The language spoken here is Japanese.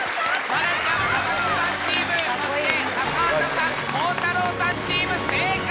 愛菜ちゃんあさこさんチームそして高畑さん鋼太郎さんチーム正解！